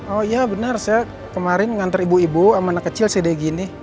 oh iya benar saya kemarin mengantar ibu ibu sama anak kecil segini